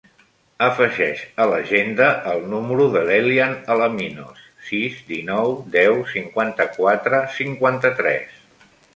Afegeix a l'agenda el número de l'Elian Alaminos: sis, dinou, deu, cinquanta-quatre, cinquanta-tres.